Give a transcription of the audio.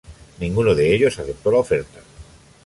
Ninguno de ellos aceptó la oferta.